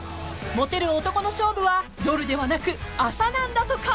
［モテる男の勝負は夜ではなく朝なんだとか］